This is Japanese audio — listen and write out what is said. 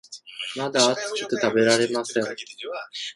まだ熱くて食べられません